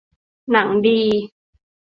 หนังดี